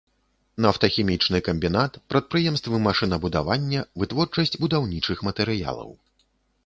Нафтахімічны камбінат, прадпрыемствы машынабудавання, вытворчасць будаўнічых матэрыялаў.